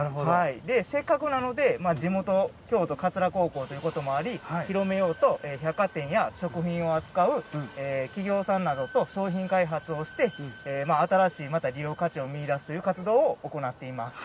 せっかくなので、地元の京都・桂高校ということもあり広めようと百貨店や食品を扱う企業さんなどと商品開発をして新しい利用価値を見いだすという活動を行っています。